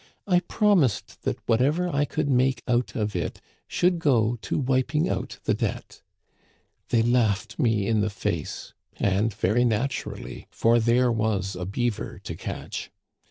I promised that whatever I could make out of it should go to wiping out the debt. They laughed me in the face ; and very naturally, for there was a beaver to catch.